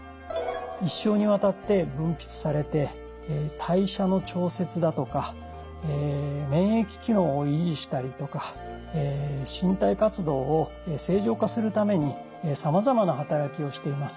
一生にわたって分泌されて代謝の調節だとか免疫機能を維持したりとか身体活動を正常化するためにさまざまな働きをしています。